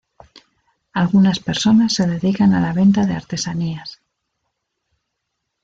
Algunas personas se dedican a la venta de artesanías.